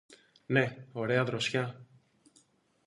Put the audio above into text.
Ναι, ωραία δροσιά!